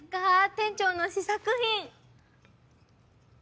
店長の試作品。